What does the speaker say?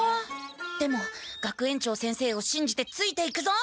でも学園長先生をしんじてついていくぞ！